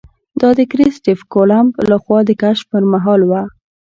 دا د کرسټېف کولمب له خوا د کشف پر مهال وه.